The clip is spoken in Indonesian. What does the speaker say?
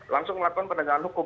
langsung melakukan penegakan hukum